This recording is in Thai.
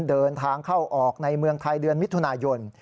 เดินทางเข้าออกในเมืองไทยเดือนมิถุนายน